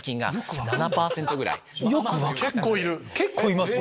結構いますね。